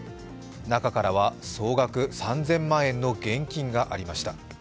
中からは総額３０００万円の現金がありました。